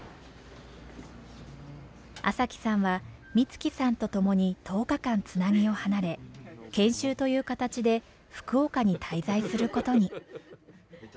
麻貴さんは光希さんと共に１０日間つなぎを離れ研修という形で福岡に滞在することに。